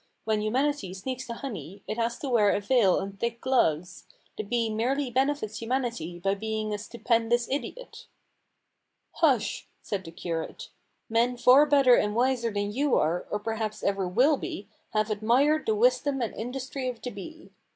When humanity sneaks the honey it has to wear a veil and thick gloves. The bee merely benefits humanity by being a stupendous idiot." "Hush," said the curate. "Men far better and wiser than you are, or perhaps ever will be, have admired the wisdom and industry of the bee."